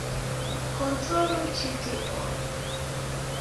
Kontrolu ĉi tion!